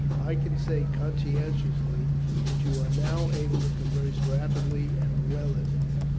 I can say conscientiously that you are now able to converse rapidly and well in it.